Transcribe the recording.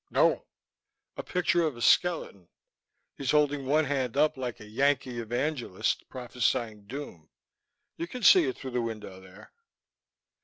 "No." "A picture of a skeleton. He's holding one hand up like a Yankee evangelist prophesying doom. You can see it through the window there."